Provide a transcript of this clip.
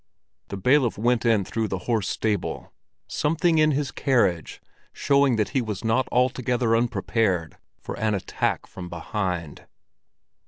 The bailiff went in through the horse stable, something in his carriage showing that he was not altogether unprepared for an attack from behind.